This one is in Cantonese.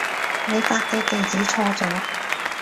你發嘅地址錯咗